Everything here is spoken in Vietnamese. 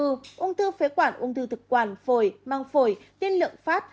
ung thư phế quản ung thư thực quản phổi mang phổi tiên lượng phát